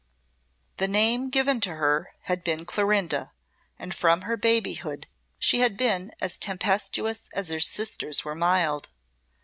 The name given to her had been Clorinda, and from her babyhood she had been as tempestuous as her sisters were mild.